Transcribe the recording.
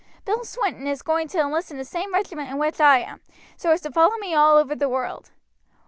Bill Swinton is going to enlist in the same regiment in which I am, so as to follow me all over the world.